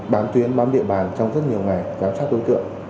bám tuyến bám địa bàn trong rất nhiều ngày giám sát đối tượng